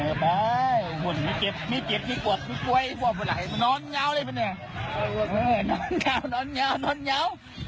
อีกบ่๋าไหล่นอนเหงาเลยนอนเหงานอนเหงา